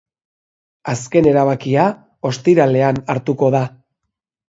Azken erabakia ostiralean hartuko da.